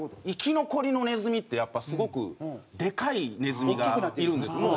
生き残りのネズミってやっぱすごくでかいネズミがいるんです。